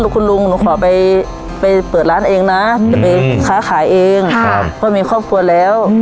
คุณลุงหนูขอไปเปิดร้านเองนะจะไปค้าขายเองก็มีครอบครัวแล้ว